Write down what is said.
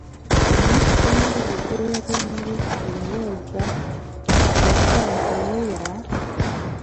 Umunsi umwe ubwo yari muri Kaminuza yatanzaniya,